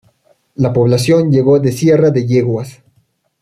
La población llegó de Sierra de Yeguas.